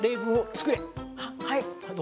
はい。